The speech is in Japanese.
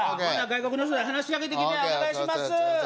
外国の人で話しかけてきてお願いします